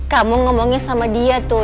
kamu ngomongnya sama dia tuh